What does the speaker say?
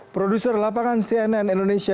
produser lapangan cnn indonesia